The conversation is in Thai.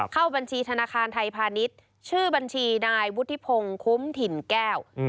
เข้าบัญชีธนาคารไทยพาณิชย์ชื่อบัญชีนายวุฒิพงศ์คุ้มถิ่นแก้ว